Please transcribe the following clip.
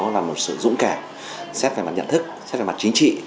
là một sự dũng cảm xét về mặt nhận thức xét về mặt chính trị